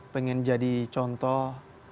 pengen jadi contoh